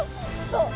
そう。